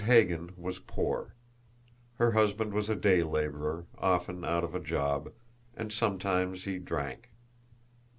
Hagan was poor. Her husband was a day labourer, often out of a job and sometimes he drank.